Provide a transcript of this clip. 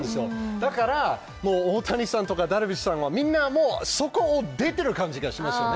だから、大谷さんとかダルビッシュさんは、みんなもうそこを出てる感じが出てるしますよね。